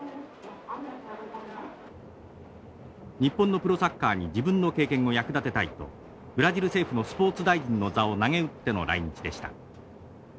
日本のプロサッカーに自分の経験を役立てたいとブラジル政府のスポーツ大臣の座をなげうっての来日でした。